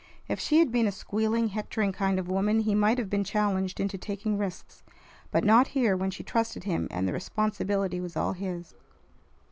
If she had been a squealing, hectoring kind of woman, he might have been challenged into taking risks, but not here, when she trusted him and the responsibility was all his.